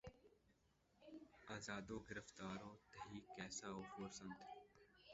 آزاد و گرفتار و تہی کیسہ و خورسند